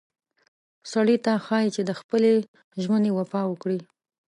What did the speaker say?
سړي ته ښایي چې د خپلې ژمنې وفا وکړي.